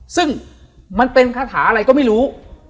ซึ่งมันเป็นคาถาอะไรก็ไม่รู้